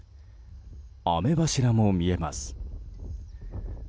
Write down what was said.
雨柱も見えます。